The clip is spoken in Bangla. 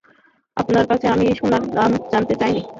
আপনার কাছে আমি সোনার দাম জানতে চাইনি!